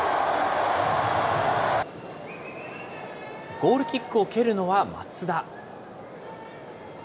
ゴールキックを蹴るのは松田。